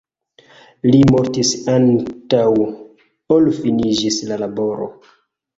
Li mortis antaŭ ol finiĝis la laboro.